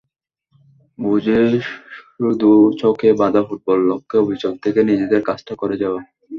বোঝে শুধু ছকে বাঁধা ফুটবল, লক্ষ্যে অবিচল থেকে নিজেদের কাজটা করে যাওয়া।